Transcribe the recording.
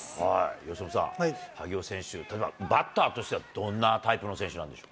由伸さん、萩尾選手、バッターとしてはどんなタイプの選手なんでしょう。